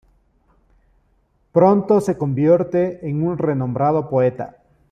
Pronto se convierte en un renombrado poeta.